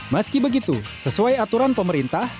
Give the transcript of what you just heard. meski begitu sesuai aturan pemerintah